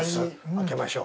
開けましょう。